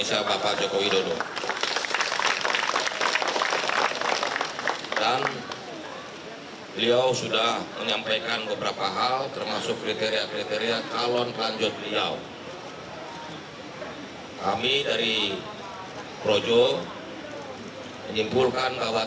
sebelumnya mohon maaf agak di luar dari ini pak